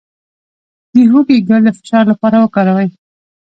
د هوږې ګل د فشار لپاره وکاروئ